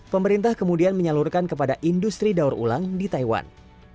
pemerintah kemudian menyalurkan kepada industri daur ulang di taiwan